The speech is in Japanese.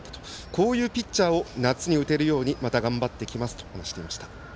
こういうピッチャーを夏打てるように頑張りますと話していました。